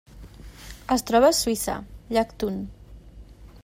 Es troba a Suïssa: llac Thun.